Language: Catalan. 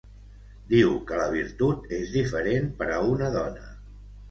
Diu que la virtut és diferent per a una dona.